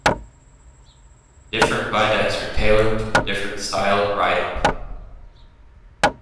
Different bidecks are tailored to a different style of riding.